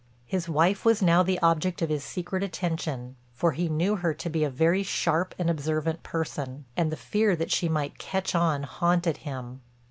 His wife was now the object of his secret attention, for he knew her to be a very sharp and observant person, and the fear that she might "catch on" haunted him.